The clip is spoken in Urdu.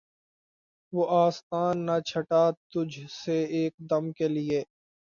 وہ آستاں نہ چھٹا تجھ سے ایک دم کے لیے